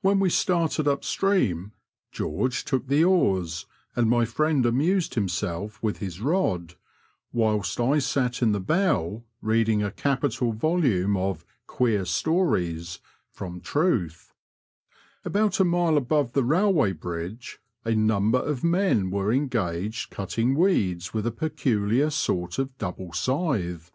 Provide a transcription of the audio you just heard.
When we started up stream, George took the oars, and my friend amused himself with his rod, whilst I sat in the bow reading a capital volume of *'Qaeer Stories" from Truth, About a mile above the railway bridge a number of men were engaged cutting weeds with a peculiar sort of double scythe.